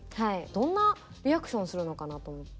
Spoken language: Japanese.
どんなリアクションするのかなと思って。